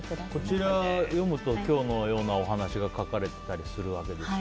こちらを読むと今日のようなお話が書かれているわけですか。